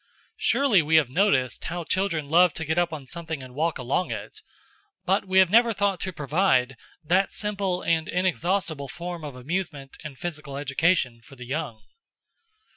Surely we have noticed how children love to get up on something and walk along it! But we have never thought to provide that simple and inexhaustible form of amusement and physical education for the young.